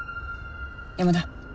山田。